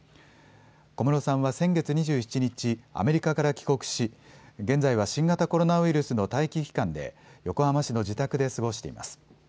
小室さんは先月２７日、アメリカから帰国し現在は新型コロナウイルスの待機期間で横浜市の自宅で過ごしています。